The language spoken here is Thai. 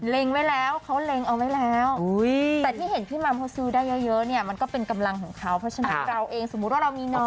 ไว้แล้วเขาเล็งเอาไว้แล้วแต่ที่เห็นพี่มัมเขาซื้อได้เยอะเนี่ยมันก็เป็นกำลังของเขาเพราะฉะนั้นเราเองสมมุติว่าเรามีน้อย